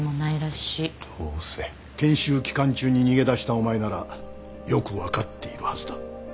研修期間中に逃げ出したお前ならよく分かっているはずだ。